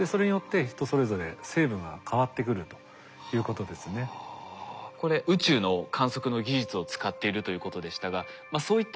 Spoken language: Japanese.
それによってこれ宇宙の観測の技術を使っているということでしたがそういった何ですかね